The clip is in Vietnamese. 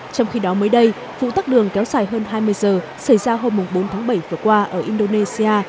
trong khi đó mới đây vụ tắt đường kéo dài hơn hai mươi giờ xảy ra hôm bốn tháng bảy vừa qua ở indonesia